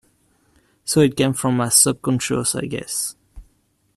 So it came from my subconscious I guess.